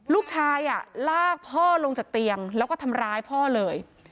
ลูกชายลากพ่อลงจากเตียงแล้วก็ทำร้ายพ่อเลย